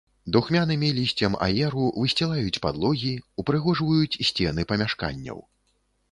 Духмянымі лісцем аеру высцілаюць падлогі, упрыгожваюць сцены памяшканняў.